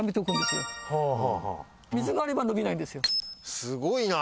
すごいな。